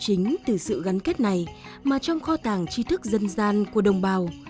chính từ sự gắn kết này mà trong kho tàng chi thức dân gian của đồng bào